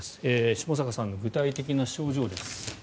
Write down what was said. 下坂さんの具体的な症状です。